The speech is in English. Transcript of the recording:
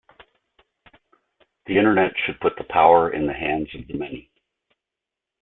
The Internet should put the power in the hands of the many.